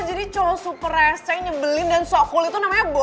jadi cowok super reseh nyebelin dan sok cool itu namanya boy